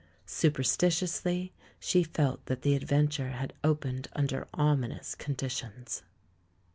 Superstitiously she felt that the adventure had opened under ominous conditions.